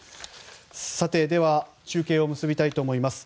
さて、では中継を結びたいと思います。